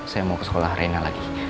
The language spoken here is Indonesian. saya mau ke sekolah rena lagi